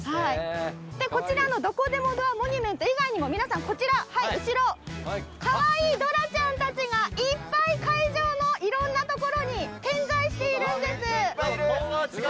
こちらのどこでもドアモニュメント以外にも皆さん、こちら後ろ、可愛いドラちゃんたちがいっぱい、会場の色んなところに点在しているんです。